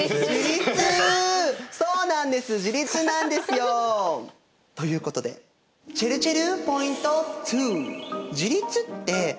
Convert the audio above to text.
そうなんです自立なんですよ。ということでちぇるちぇるポイント２。